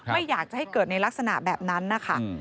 ไม่อยากให้เกิดในลักษณะแบบนั้น